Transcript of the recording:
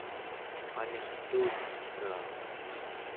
anirtuutekaa